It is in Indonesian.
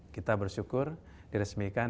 kita bersyukur diresmikan